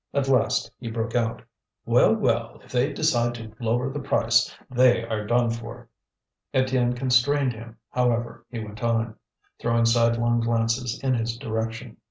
At last he broke out: "Well, well! if they decide to lower the price they are done for." Étienne constrained him. However he went on, throwing sidelong glances in his direction.